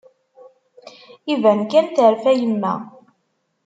Iban kan terfa yemma.